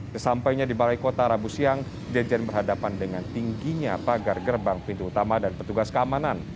sesampainya di balai kota rabu siang jejen berhadapan dengan tingginya pagar gerbang pintu utama dan petugas keamanan